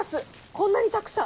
こんなにたくさん？